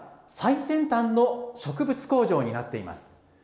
最先端の植物工場になっています。